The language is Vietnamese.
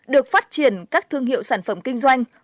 được phát triển các thương hiệu sản phẩm kinh doanh